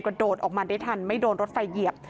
โดดออกมาได้ทันไม่โดนรถไฟเหยียบ